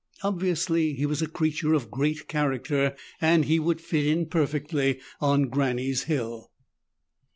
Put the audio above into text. Obviously he was a creature of great character and he would fit in perfectly on Granny's hill.